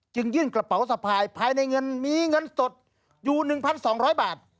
ยื่นกระเป๋าสะพายภายในเงินมีเงินสดอยู่๑๒๐๐บาท